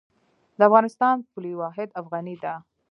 د افغانستان پولي واحد افغانۍ ده